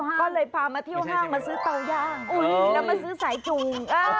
ก็เลยพามาเที่ยวห้างมาซื้อเตาย่างแล้วมาซื้อสายจูง